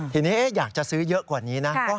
ทีนี้อยากจะซื้อเยอะกว่านี้นะ